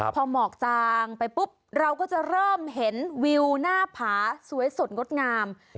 พอหมอกจางไปปุ๊บเราก็จะเริ่มเห็นวิวหน้าผาสวยสดงดงาม